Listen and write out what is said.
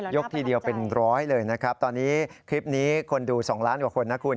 ทีเดียวเป็นร้อยเลยนะครับตอนนี้คลิปนี้คนดู๒ล้านกว่าคนนะคุณ